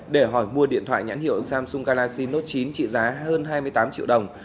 để hỏi mua điện thoại nhãn hiệu samsung galaxy note trị giá hơn hai mươi tám triệu đồng